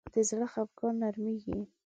د زړه خفګان نرمېږي